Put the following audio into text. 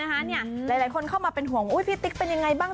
หลายคนเข้ามาเป็นห่วงพี่ติ๊กเป็นยังไงบ้าง